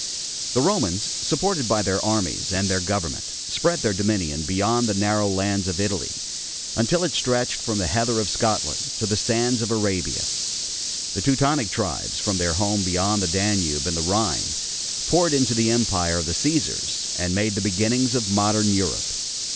The Romans, supported by their armies and their government, spread their dominion beyond the narrow lands of Italy until it stretched from the heather of Scotland to the sands of Arabia. The Teutonic tribes, from their home beyond the Danube and the Rhine, poured into the empire of the Cæsars and made the beginnings of modern Europe.